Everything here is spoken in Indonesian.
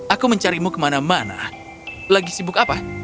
aku mencarimu ke mana mana lagi sibuk apa